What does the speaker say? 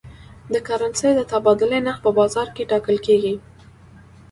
د کرنسۍ د تبادلې نرخ په بازار کې ټاکل کېږي.